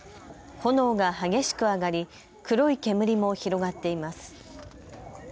炎が激しく上がり黒い煙も広がっています。